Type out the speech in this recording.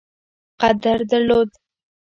قدر درلود.